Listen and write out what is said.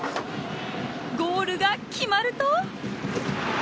ゴールが決まると